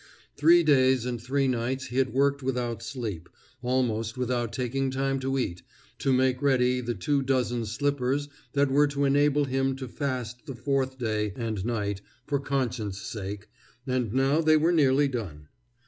Three days and three nights he had worked without sleep, almost without taking time to eat, to make ready the two dozen slippers that were to enable him to fast the fourth day and night for conscience' sake, and now they were nearly done.